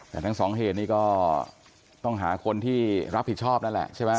แต่ทั้งสองเหตุนี้ก็ต้องหาคนที่รับผิดชอบนั่นแหละใช่ไหม